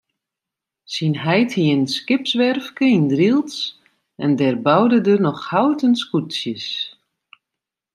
Syn heit hie in skipswerfke yn Drylts en dêr boude er noch houten skûtsjes.